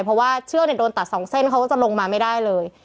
เพราะว่าเชือกโดนตัดสองเส้นเขาก็จะลงมาไม่ได้เลย